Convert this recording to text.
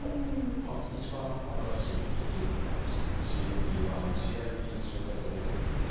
一番新しい直近で出てまいりましたＧＬＰ−１／ＧＩＰ受容体作動薬ですね